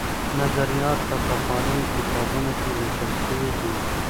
نظریات په پخوانیو کتابونو کي لیکل سوي دي.